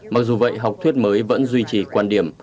mặc dù vậy học thuyết mới vẫn duy trì quan điểm